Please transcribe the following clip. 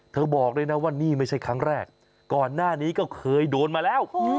บอกด้วยนะว่านี่ไม่ใช่ครั้งแรกก่อนหน้านี้ก็เคยโดนมาแล้ว